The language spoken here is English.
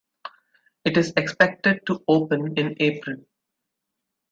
It is expected to open in April.